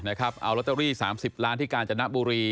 เอารโรตตาลี๓๐ล้านที่การแจ้มหน้าบุรี